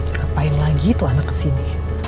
ngapain lagi itu anak kesini